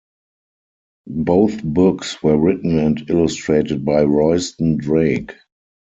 Both books were written and illustrated by Royston Drake.